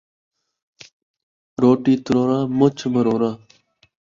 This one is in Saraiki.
روٹی تروڑا ، مُچھ مروڑا